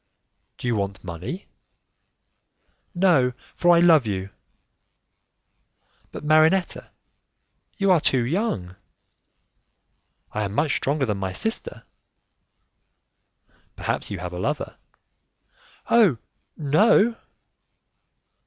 "Do you want money?" "No, for I love you." "But, Marinetta, you are too young." "I am much stronger than my sister." "Perhaps you have a lover." "Oh! no."